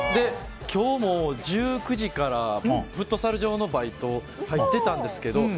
今日も１９時からフットサル場のバイト入ってたんですけど。